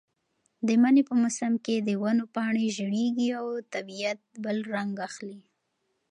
د مني په موسم کې د ونو پاڼې ژېړېږي او طبیعت بل رنګ اخلي.